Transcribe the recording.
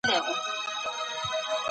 د کمال لوړو پوړیو ته رسېدل یوازي نه کیږي.